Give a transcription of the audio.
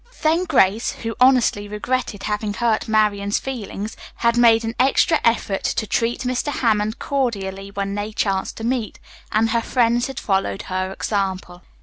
Then Grace, who honestly regretted having hurt Marian's feelings, had made an extra effort to treat Mr. Hammond cordially when they chanced to meet, and her friends had followed her example.